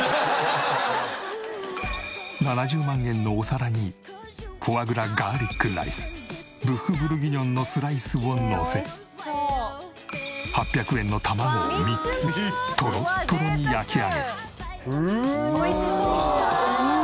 ７０万円のお皿にフォアグラガーリックライスブッフ・ブルギニョンのスライスをのせ８００円の卵を３つとろっとろに焼き上げ。